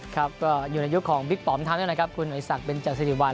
ครับก็อยู่ในยุคของบริกปอล์มท้านด้วยนะครับคุณอัยศักดิ์เบนเจอร์ศิริวัล